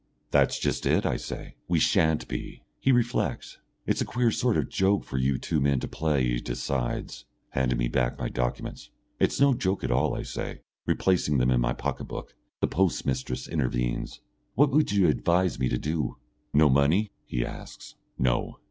"That's just it," I say, "we sha'n't be." He reflects. "It's a queer sort of joke for you two men to play," he decides, handing me back my documents. "It's no joke at all," I say, replacing them in my pocket book. The post mistress intervenes. "What would you advise me to do?" "No money?" he asks. "No."